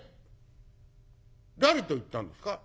「誰と行ったんですか？」。